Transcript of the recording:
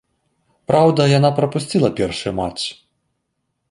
Праўда, яна прапусціла першы матч.